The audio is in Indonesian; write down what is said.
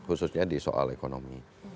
khususnya di soal ekonomi